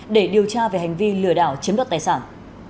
để điều tra về hành vi lừa đảo chiếm đoạt tài sản